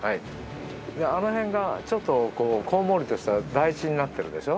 あの辺がちょっとこうこんもりとした台地になってるでしょ？